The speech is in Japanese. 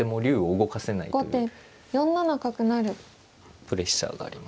プレッシャーがありますから。